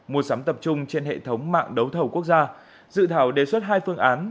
mua sắm tập trung trên hệ thống mạng đấu thầu quốc gia dự thảo đề xuất hai phương án